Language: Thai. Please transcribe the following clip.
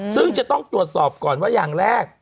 ซึ่งจะต้องตรวจสอบก่อนว่าอย่างแรก